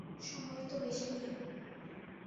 সময় তো বেশি নেই।